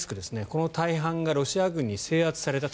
この大半がロシア軍に制圧された。